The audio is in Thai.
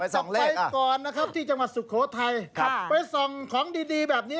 ไปส่องเลขอ่ะใช่ป่ะที่จังหวัดสุโคธรไทยไปส่องของดีแบบนี้